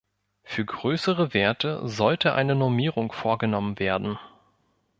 Für größere Werte sollte eine Normierung vorgenommen werden.